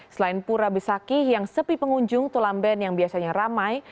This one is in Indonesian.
selain pura besakih yang sepi pengunjung tulamben yang biasanya ramai